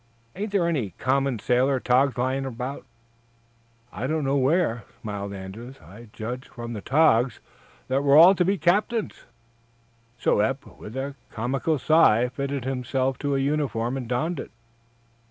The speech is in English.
Ain't there any common sailor togs lying about?" "I don't know where," smiled Andrews. "I judge, from the togs, that we're all to be captains." So Eph, with a comical sigh, fitted himself to a uniform and donned it.